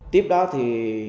tiếp đó thì